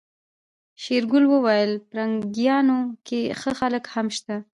شېرګل وويل پرنګيانو کې ښه خلک هم شته.